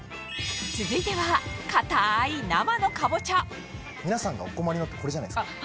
続いては硬い生の皆さんがお困りのってこれじゃないですか？